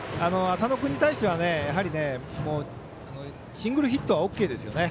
浅野君に対してはシングルヒットはＯＫですよね。